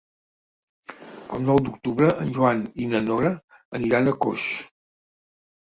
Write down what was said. El nou d'octubre en Joan i na Nora aniran a Coix.